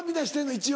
一応。